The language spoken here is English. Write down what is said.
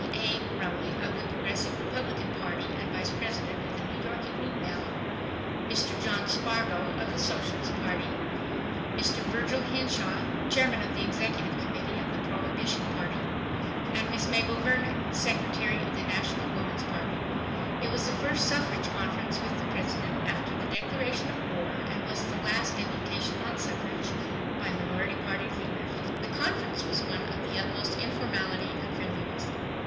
A. Rumley of the Progressive Republican Party and Vice President of the New York Evening Mail; Mr. John Spargo of the Socialist Party; Mr. Virgil Hinshaw, chairman of the Executive Committee of the Prohibition Party; and Miss Mabel Vernon, Secretary of the National Woman's Party. It was the first suffrage conference with the President after the declaration of war, and was the last deputation on suffrage by minority party leaders. The conference was one of the utmost informality and friendliness.